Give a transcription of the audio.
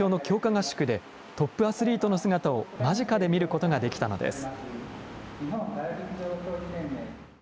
合宿で、トップアスリートの姿を間近で見ることができたのです。